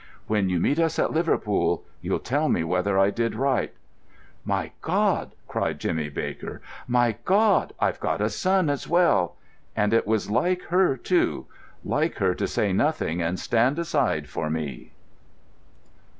When you meet us at Liverpool, you'll tell me whether I did right." "My God," cried Jimmy Baker, "my God, I've got a son as well! And it was like her, too—like her to say nothing and stand aside for me!"